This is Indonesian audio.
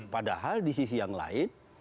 padahal di sisi yang lain